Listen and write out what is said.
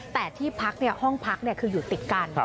แต่ที่พักห้องพักคืออยู่ติดกัน